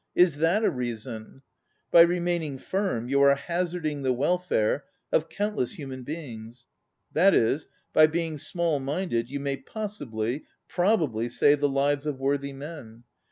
Is that a reason? By remaining firm you are hazarding the welfare of countless human beings; that is, by being small minded, you may, possibly, prpbably, save the lives of worthy men.